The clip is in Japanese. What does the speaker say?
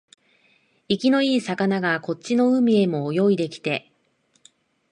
生きのいい魚がこっちの海へも泳いできて、